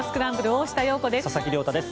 大下容子です。